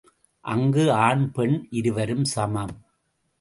அங்கு ஆண் பெண் இருவரும் சமம்.